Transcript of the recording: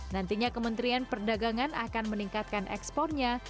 nantinya kementerian perdagangan akan meningkatkan ekspornya